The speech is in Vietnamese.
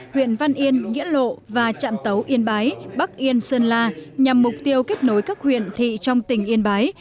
huyện văn yên nghĩa lộ và trạm tấu yên bái bắc yên sơn la nhằm mục tiêu kết nối các huyện thị trong tỉnh yên bái